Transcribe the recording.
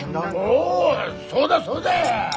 おおそうだそうだ！